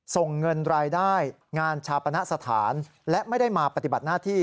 ส่งเงินรายได้งานชาปณะสถานและไม่ได้มาปฏิบัติหน้าที่